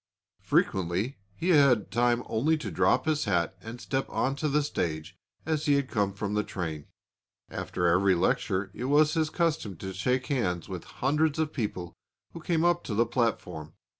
Frequently he had time only to drop his hat and step on to the stage as he had come from the train. After every lecture it was his custom to shake hands with hundreds of people who came up to the platform.